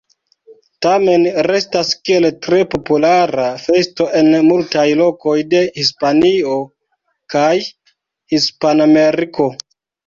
Tamen restas kiel tre populara festo en multaj lokoj de Hispanio kaj Hispanameriko.